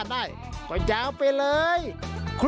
อันนี้ท่าอะไรเมื่อกี้